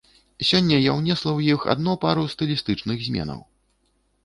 Сёння я ўнесла ў іх адно пару стылістычных зменаў.